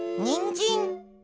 にんじん？